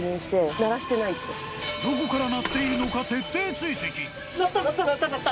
どこから鳴っているのか徹底追跡。